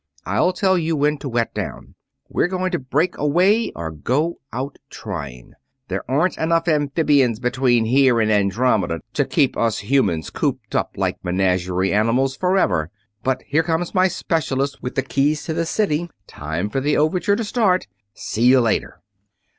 I'll tell you when to wet down. We're going to break away or go out trying there aren't enough amphibians between here and Andromeda to keep us humans cooped up like menagerie animals forever! But here comes my specialist with the keys to the city; time for the overture to start. See you later!"